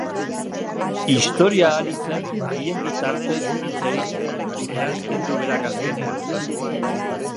Historia ari zen haien bitartez hitz egiten, eransten du berak azkenean.